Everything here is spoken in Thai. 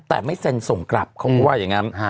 แต่ไม่เซ็นส่งกลับเขาก็ว่าอย่างนั้น